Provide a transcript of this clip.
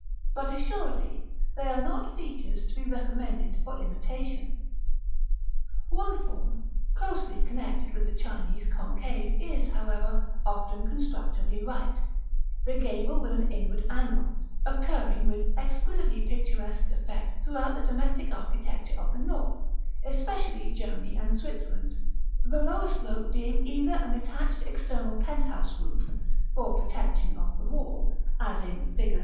But, assuredly, they are not features to be recommended for imitation. § IV. One form, closely connected with the Chinese concave, is, however, often constructively right, the gable with an inward angle, occurring with exquisitely picturesque effect throughout the domestic architecture of the north, especially Germany and Switzerland; the lower slope being either an attached external penthouse roof, for protection of the wall, as in Fig.